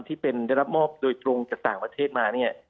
ที่เป็นได้รับมอบโดยตรงจากต่างประเทศมาเนี่ย